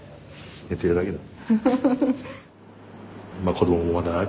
寝てるだけだ。